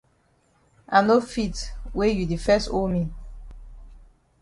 I no fit wey you di fes owe me.